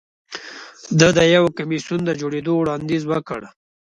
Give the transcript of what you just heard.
ده د یو کمېسیون د جوړېدو وړاندیز وکړ.